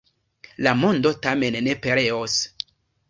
La mondo tamen ne pereos.